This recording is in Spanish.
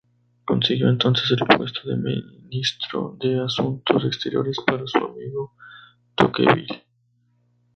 Consiguió entonces el puesto de Ministro de Asuntos Exteriores para su amigo Tocqueville.